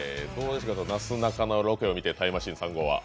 なすなかのロケを見てタイムマシーン３号は？